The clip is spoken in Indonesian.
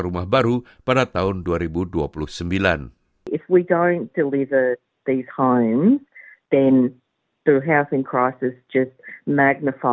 rumah di luar negara